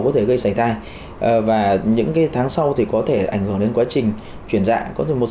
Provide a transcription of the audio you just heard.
có thể gây xảy thai và những tháng sau thì có thể ảnh hưởng đến quá trình chuyển dạ có thể một